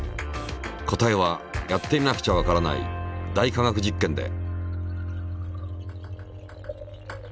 答えはやってみなくちゃわからない「大科学実験」で。